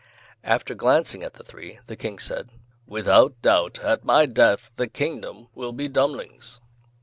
After glancing at the three, the King said: "Without doubt, at my death the kingdom will be Dummling's."